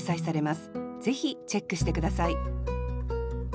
ぜひチェックして下さい